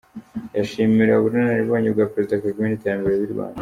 Yishimira ubunararibonye bwa Perezida Kagame n’iterambere ry’u Rwanda.